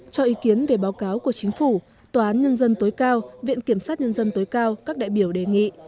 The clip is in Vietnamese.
cho ý kiến về báo cáo của chính phủ tòa án nhân dân tối cao viện kiểm sát nhân dân tối cao các đại biểu đề nghị